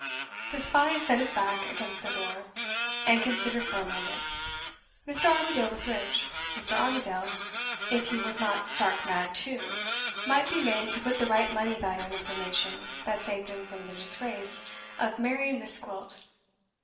The spy set his back against the door, and considered for a moment. Mr. Armadale was rich Mr. Armadale (if he was not stark mad too) might be made to put the right money value on information that saved him from the disgrace of marrying Miss Gwilt.